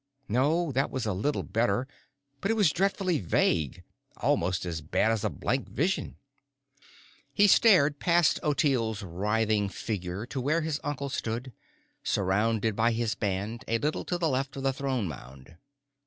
No, that was a little better, but it was dreadfully vague, almost as bad as a blank vision. He stared past Ottilie's writhing figure to where his uncle stood, surrounded by his band, a little to the left of the Throne Mound.